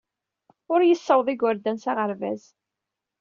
Ur yessaweḍ igerdan s aɣerbaz.